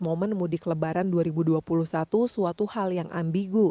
momen mudik lebaran dua ribu dua puluh satu suatu hal yang ambigu